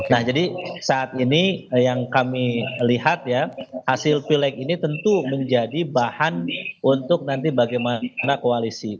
nah jadi saat ini yang kami lihat ya hasil pileg ini tentu menjadi bahan untuk nanti bagaimana koalisi